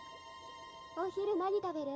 お昼何食べる？